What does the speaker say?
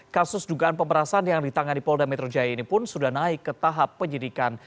kasus dugaan pemerasan yang ditangani polda metro jaya ini pun sudah naik ke tahap penyidikan